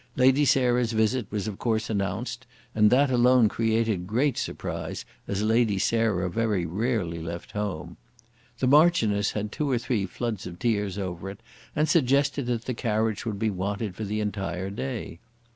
Lady Sarah's visit was of course announced, and that alone created great surprise, as Lady Sarah very rarely left home. The Marchioness had two or three floods of tears over it, and suggested that the carriage would be wanted for the entire day.